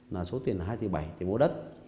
là số tiền là hai tỷ bảy tỷ mua đất